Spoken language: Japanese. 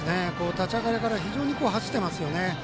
立ち上がりから非常に走ってますよね。